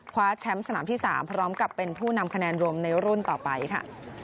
คว้าแชมป์สนามที่๓พร้อมกับเป็นผู้นำคะแนนรวมในรุ่นต่อไปค่ะ